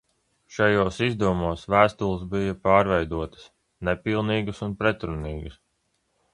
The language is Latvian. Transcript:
Šajos izdevumos vēstules bija pārveidotas, nepilnīgas un pretrunīgas.